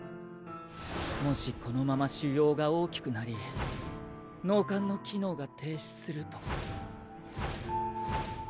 もしこのまま腫瘍が大きくなり脳幹の機能が停止すると。